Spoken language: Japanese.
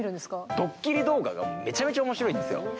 ドッキリ動画がめちゃめちゃおもしろいんですよ。